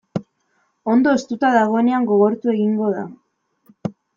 Ondo hoztuta dagoenean gogortu egingo da.